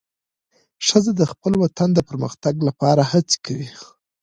ښځه د خپل وطن د پرمختګ لپاره هڅه کوي.